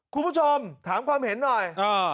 คุณผู้ชมถามความเห็นหน่อย